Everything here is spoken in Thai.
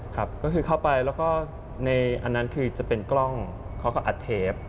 ครับก็คือเข้าไปแล้วก็ในอันนั้นคือจะเป็นกล้องเขาก็อัดเทป